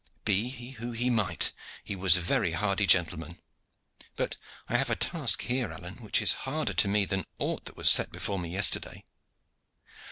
"Be he who he might, he was a very hardy gentleman. But I have a task here, Alleyne, which is harder to me than aught that was set before me yesterday."